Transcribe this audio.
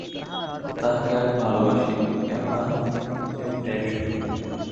তাঁহাকে আমি ভালবাসি, কেন না তিনি প্রেমস্বরূপ।